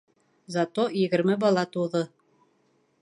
Зато егерме бала тыуҙы...